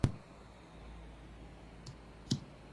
د سارا په ټوله سيمه کې بوی ولاړ شو.